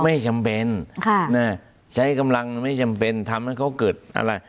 ไม่จำเป็นใช้กำลังไม่จำเป็นทำให้เขาเกิดอะไร